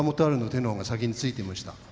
春の手が先についていました。